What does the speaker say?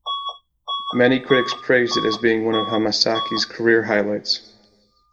Many critics praised it as being one of Hamasaki's career highlights.